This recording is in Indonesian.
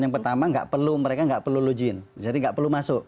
yang pertama nggak perlu mereka nggak perlu login jadi nggak perlu masuk